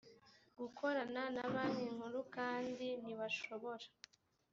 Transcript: gukorana na banki nkuru kandi ntibashobora